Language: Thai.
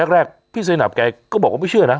แรกพี่สนับแกก็บอกว่าไม่เชื่อนะ